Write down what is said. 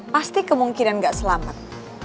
pasti kemungkinan gak selamat